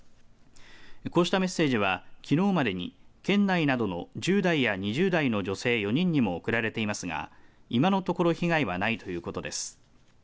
こうしたメッセージはきのうまでに県内などの１０代や２０代の女性４人にも送られていますが今のところ被害はないということです。